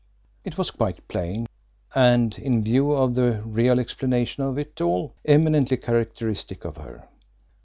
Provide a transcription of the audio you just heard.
It was quite plain; and, in view of the real explanation of it all, eminently characteristic of her.